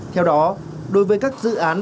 theo đó đối với các dự án